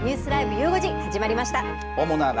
ゆう５時、始まりました。